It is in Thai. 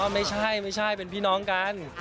ไม่ใช่เป็นพี่น้องกัน